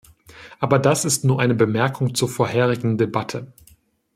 Aber das ist nur eine Bemerkung zur vorherigen Debatte.